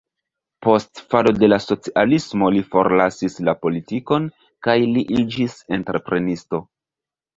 Post falo de la socialismo li forlasis la politikon kaj li iĝis entreprenisto.